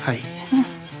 うん。